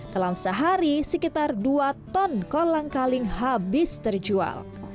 dalam sehari sekitar dua ton kolang kaling habis terjual